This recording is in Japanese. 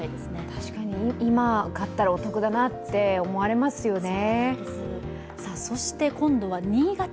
確かに今、買ったらお得だなって思われますよね。